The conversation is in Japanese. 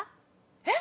えっ！